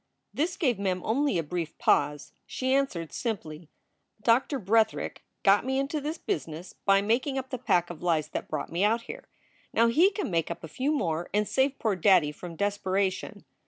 This gave Mem only a brief pause. She answered simply : "Doctor Bretherick got me into this business by making SOULS FOR SALE 325 up the pack of lies that brought me out here. Now he can make up a few more and save poor daddy from desperation."